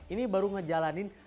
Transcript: ini baru ngejalanin